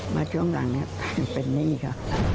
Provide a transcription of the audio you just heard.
มาช่วงหลังนี้เป็นหนี้ค่ะ